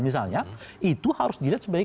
misalnya itu harus dilihat sebagai